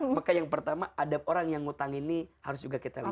maka yang pertama adab orang yang ngutang ini harus juga kita lakukan